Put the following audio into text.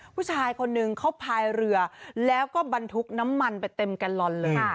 ผู้ชายคนนึงเขาพายเรือแล้วก็บรรทุกน้ำมันไปเต็มแกลลอนเลย